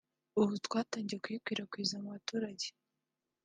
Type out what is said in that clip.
ubu twatangiye kuyikwirakwiza mu baturage